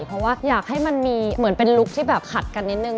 เพราะว่าอยากให้มันมีเหมือนเป็นลุคที่แบบขัดกันนิดนึง